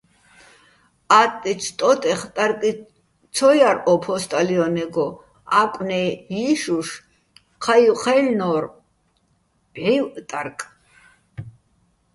ატტე́ჩო̆ ტო́ტეხ ტარკი ცო ჲარ ო ფო́სტალიონეგო, ა́კვნე ჲიშუშ ჴაივ ჴაჲლნო́რ ბჵივჸ ტარკ.